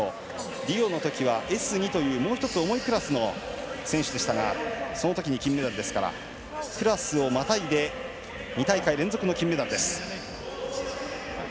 リオのときはＳ２というもう１つ重いクラスの選手でしたがそのときに金メダルですのでクラスをまたいで２大会連続の金メダルです。